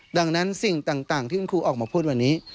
ดังนั้นสิ่งต่างที่คุณครูออกมาพูดวันนี้